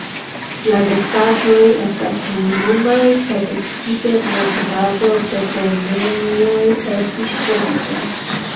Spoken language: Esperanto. La restaĵoj estas minimumaj kaj precipe nur kadavro-deponejoj estis trovitaj.